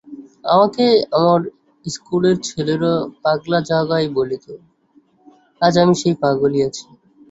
আমাকে আমার ইস্কুলের ছেলেরা পাগলা জগাই বলিত, আজও আমি সেই পাগল আছি।